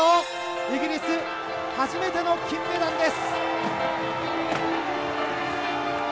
イギリス初めての金メダルです！